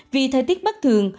vì thời tiết bất thường